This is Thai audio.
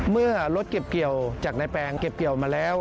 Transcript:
เมื่อรถเก็บเกี่ยวจากในแปลงเก็บเกี่ยวมาแล้ว